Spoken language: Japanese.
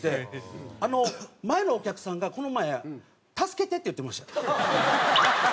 前のお客さんがこの前「助けて！」って言ってました。